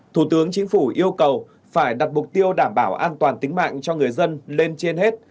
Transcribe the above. thủ tướng chính phủ yêu cầu phải đặt mục tiêu đảm bảo an toàn tính mạng cho người dân lên trên hết